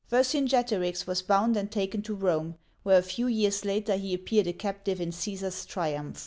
Vercingetorix w^s bound and taken to Rome, where a few years later he appeared a captive in Caesar's triumph.